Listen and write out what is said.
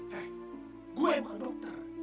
hei gue bukan dokter